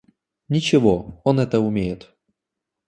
Ничего, он это умеет.